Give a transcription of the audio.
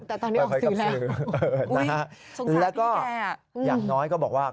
แต่ตอนนี้ออกสือแล้วสงสัยพี่แก่นะฮะแล้วก็อย่างน้อยก็บอกว่า